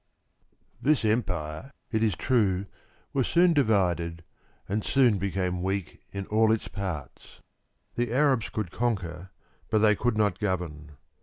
This empire, it is true, was soon divided, and soon became weak in all its parts. The Arabs could conquer, but they could not govern.